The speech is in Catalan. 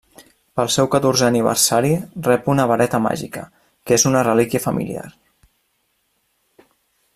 Pel seu catorzè aniversari, rep una vareta màgica que és una relíquia familiar.